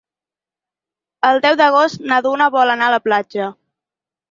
El deu d'agost na Duna vol anar a la platja.